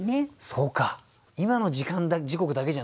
そうか今の時間時刻だけじゃないんだ。